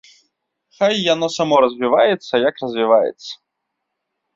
Хай яно само развіваецца, як развіваецца.